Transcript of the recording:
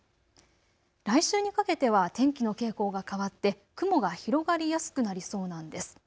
来週にかけては天気の傾向が変わって雲が広がりやすくなりそうなんです。